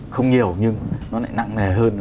không nhiều nhưng nó lại nặng nề hơn